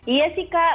iya sih kak